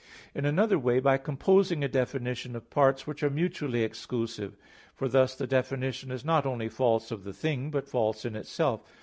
In another way, by composing a definition of parts which are mutually exclusive. For thus the definition is not only false of the thing, but false in itself.